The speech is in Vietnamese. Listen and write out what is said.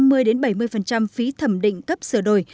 giảm năm mươi bảy mươi phí thẩm định cấp sửa đổi